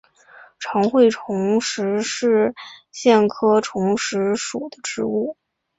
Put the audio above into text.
长穗虫实是苋科虫实属的植物。